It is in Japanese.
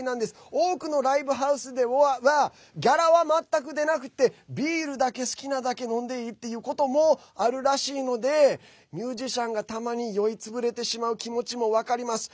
多くのライブハウスではギャラは全く出なくてビールだけ好きなだけ飲んでいいっていうこともあるらしいのでミュージシャンがたまに酔い潰れてしまう気持ちも分かります。